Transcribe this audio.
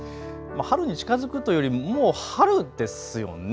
春に近づくというよりもう春ですよね。